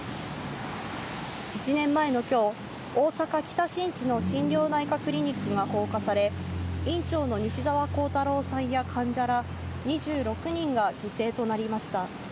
１年前のきょう、大阪・北新地の心療内科クリニックが放火され、院長の西澤弘太郎さんや患者ら２６人が犠牲となりました。